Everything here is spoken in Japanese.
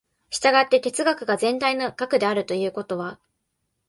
従って哲学が全体の学であるということは、